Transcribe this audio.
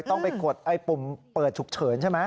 ต้องไปกดไอ้ปุ่มเปิดฉุกเฉินใช่ไหม